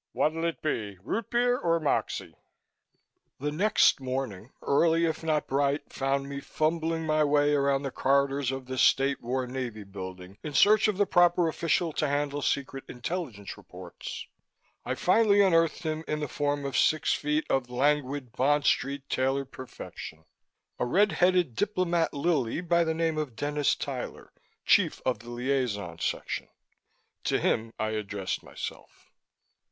What'll it be? Root beer or Moxie?" The next morning, early if not bright, found me fumbling my way around the corridors of the State War Navy building in search of the proper official to handle secret intelligence reports. I finally unearthed him in the form of six feet of languid Bond Street tailored perfection a red headed diplomat lily by the name of Dennis Tyler, Chief of the Liaison Section. To him I addressed myself.